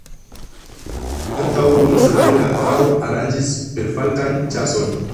Antaŭ unu semajno la caro aranĝis perfalkan ĉason!